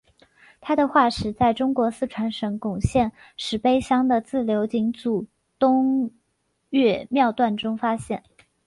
它的化石在中国四川省珙县石碑乡的自流井组东岳庙段中发现。